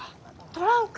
トランク？